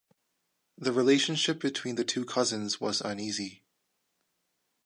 The relationship between the two cousins was uneasy.